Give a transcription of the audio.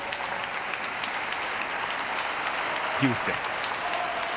デュースです。